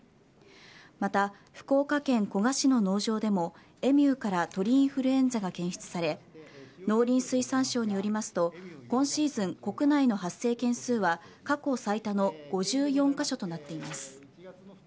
また福岡県古賀市の農場でもエミューから鳥インフルエンザが検出され農林水産省によりますと今シーズン、国内の発生件数は過去最多の５４カ所となっています。